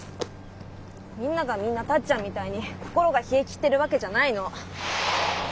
みんながみんなタッちゃんみたいに心が冷えきってるわけじゃないの。